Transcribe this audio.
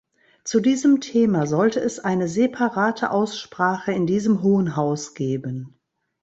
Zu diesem Thema sollte es eine separate Aussprache in diesem Hohen Haus geben.